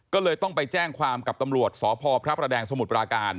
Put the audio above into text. ก็เลยต้องไปแจ้งความกับตำรวจสพพระประแดงสมุทรปราการ